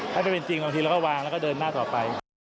ให้ไม่เป็นจริงบางทีเราก็วางแล้วก็เดินหน้าต่อไป